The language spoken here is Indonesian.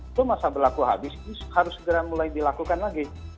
itu masa berlaku habis harus mulai dilakukan lagi